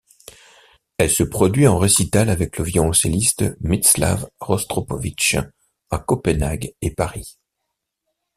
Elle se produit en récital avec le violoncelliste Mstislav Rostropovitch à Copenhague et Paris.